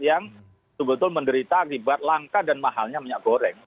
yang betul betul menderita akibat langka dan mahalnya minyak goreng